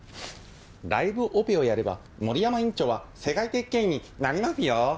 ライブオペをやれば森山院長は世界的権威になりますよ。